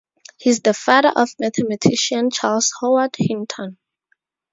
He is the father of mathematician Charles Howard Hinton.